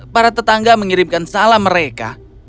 para tetangga mengirimkan salam mereka